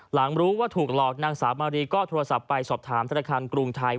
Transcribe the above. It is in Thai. หลังรู้ว่าถูกหลอกนางสาวมารีก็โทรศัพท์ไปสอบถามธนาคารกรุงไทย